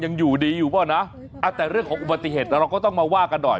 ยังอยู่ดีอยู่เปล่านะแต่เรื่องของอุบัติเหตุแต่เราก็ต้องมาว่ากันหน่อย